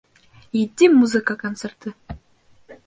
Етди музыка концерты